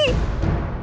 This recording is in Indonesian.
oh iya ibunya putri